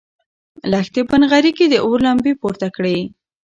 لښتې په نغري کې د اور لمبې پورته کړې.